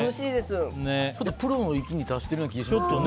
プロの域に達してるような気がしますけど。